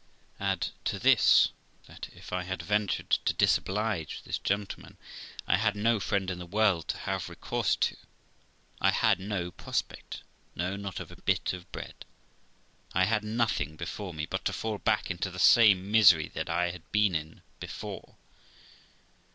Add to this that, if I had ventured to disoblige this gentleman, I had no friend in the world to have recourse to ; I had no prospect no, not of a bit of bread ; I had nothing before me but to fall back into the same misery that I had been in before.